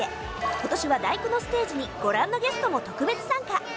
ことしは第九のステージにご覧のゲストも特別参加。